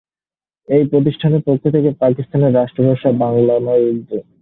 এই প্রতিষ্ঠানের পক্ষ থেকে 'পাকিস্তানের রাষ্ট্রভাষা: বাংলা না উর্দু?'